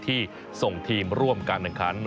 ที่ส่งทีมร่วมกัน